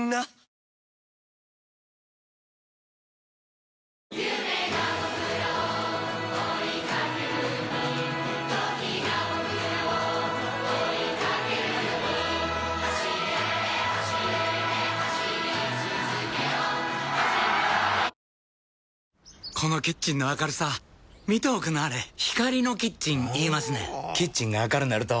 わかるぞこのキッチンの明るさ見ておくんなはれ光のキッチン言いますねんほぉキッチンが明るなると・・・